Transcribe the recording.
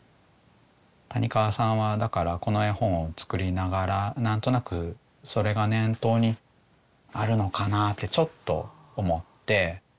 谷川さんはだからこの絵本を作りながら何となくそれが念頭にあるのかなってちょっと思って。